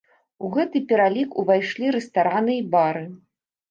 У гэты пералік увайшлі рэстараны і бары.